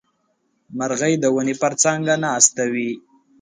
مرغۍ د ونې پر څانګه ناستې وې.